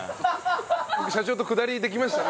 僕社長とくだりできましたね。